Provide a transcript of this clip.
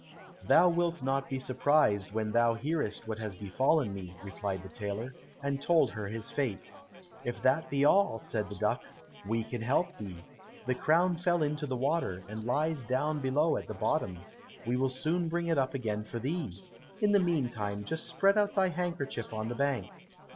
"Thou wilt not be surprised when thou hearest what has befallen me," replied the tailor, and told her his fate. "If that be all," said the duck, "we can help thee. The crown fell into the water, and lies down below at the bottom; we will soon bring it up again for thee. In the meantime just spread out thy handkerchief on the bank."